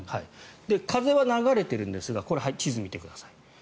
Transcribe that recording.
風は流れてるんですがこれ、地図を見てください